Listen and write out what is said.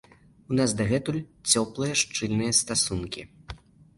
У нас дагэтуль цёплыя, шчыльныя стасункі.